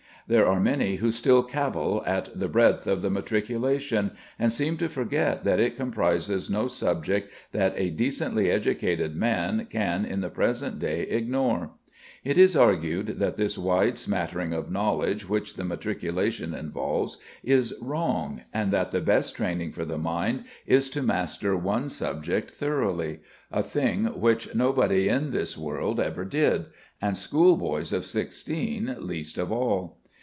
There are many who still cavil at the breadth of the matriculation, and seem to forget that it comprises no subject that a decently educated man can in the present day ignore. It is argued that this wide smattering of knowledge which the matriculation involves is wrong, and that the best training for the mind is to master one subject thoroughly, a thing which nobody in this world ever did, and schoolboys of sixteen least of all.